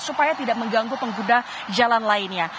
supaya tidak mengganggu pengguna jalan lainnya